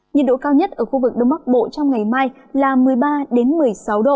nhiệt độ cao nhất ở khu vực đông bắc bộ trong ngày mai là một mươi ba một mươi sáu độ